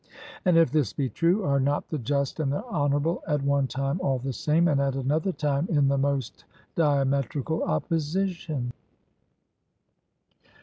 And if this be true, are not the just and the honourable at one time all the same, and at another time in the most diametrical opposition?